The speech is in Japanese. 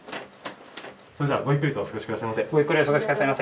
それではごゆっくりとお過ごし下さいませ。